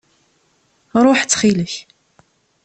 Ṛuḥ ttxil-k!